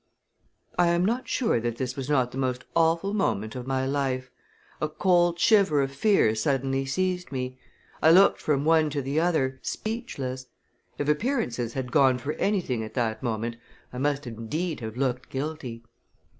I am not sure that this was not the most awful moment of my life! A cold shiver of fear suddenly seized me. I looked from one to the other, speechless. If appearances had gone for anything at that moment I must indeed have looked guilty.